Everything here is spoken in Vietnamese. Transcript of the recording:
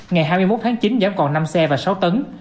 ngày hai mươi một tháng chín giảm còn năm xe và sáu tấn